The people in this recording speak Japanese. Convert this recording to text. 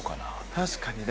確かにね。